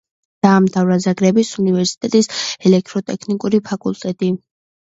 დაამთავრა ზაგრების უნივერსიტეტის ელექტროტექნიკური ფაკულტეტი.